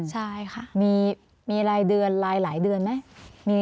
ใช่ค่ะมีรายเดือนรายหลายเดือนไหม